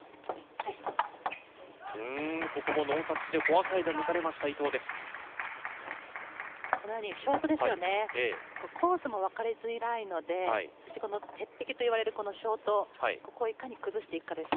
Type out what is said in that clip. ここもノータッチでフォアサコースも分かりづらいのでこの鉄壁と呼ばれるショート、ここをいかに崩していくかです。